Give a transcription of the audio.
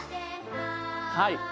はい。